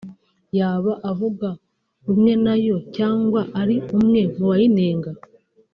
yaba avuga rumwe na yo cyangwa ari umwe mu bayinenga